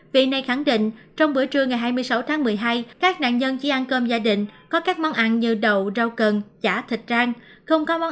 vị này khẳng định trong bữa trưa ngày hai mươi sáu tháng một mươi hai các nạn nhân chỉ ăn cơm gia đình